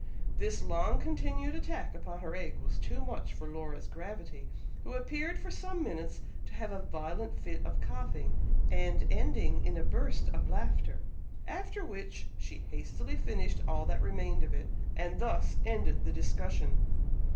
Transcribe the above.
This long continued attack upon her egg was too much for Laura's gravity, who appeared for some minutes to have a violent fit of coughing, and ending in a burst of laughter, after which she hastily finished all that remained of it, and thus ended the discussion.